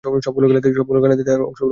সবগুলো খেলাতেই তার অংশগ্রহণ ছিল।